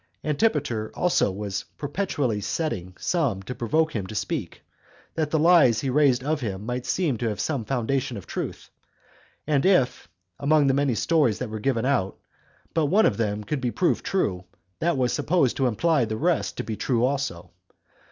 Antipater also was perpetually setting some to provoke him to speak, that the lies he raised of him might seem to have some foundation of truth; and if, among the many stories that were given out, but one of them could be proved true, that was supposed to imply the rest to be true also.